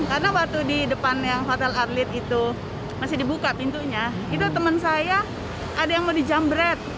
karena waktu di depan yang hotel atlet itu masih dibuka pintunya itu teman saya ada yang mau dijamberet